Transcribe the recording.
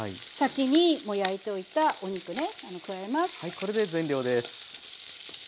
これで全量です。